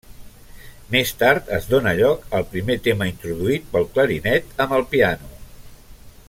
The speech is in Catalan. Més tard es dóna lloc al primer tema introduït pel clarinet amb el piano.